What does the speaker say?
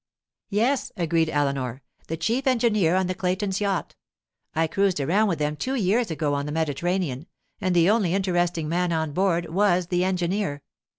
'Yes,' agreed Eleanor, 'the chief engineer on the Claytons' yacht. I cruised around with them two years ago on the Mediterranean, and the only interesting man on board was the engineer.